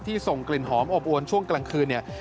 ที่ส่งกลิ่นหอมอบอวนช่วงกลางคืน